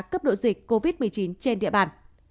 cấp độ dịch covid một mươi chín trên địa bàn